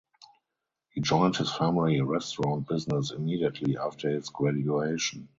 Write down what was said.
He joined his family restaurant business immediately after his graduation.